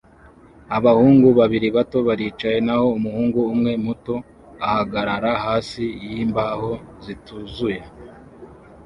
Abahungu babiri bato baricaye naho umuhungu umwe muto ahagarara hasi yimbaho zituzuye